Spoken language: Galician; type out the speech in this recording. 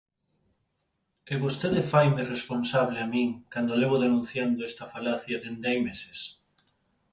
¿E vostede faime responsable a min, cando levo denunciando esta falacia dende hai meses?